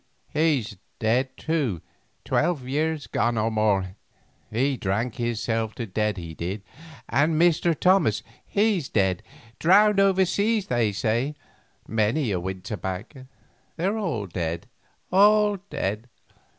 "He's dead, too, twelve year gone or more; he drank hisself to dead he did. And Mr. Thomas, he's dead, drowned over seas they say, many a winter back; they're all dead, all dead!